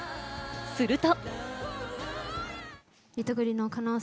すると。